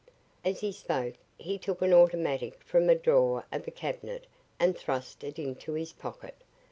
As he spoke, he took an automatic from a drawer of a cabinet and thrust it into his pocket.